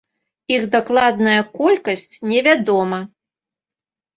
Іх дакладная колькасць невядома.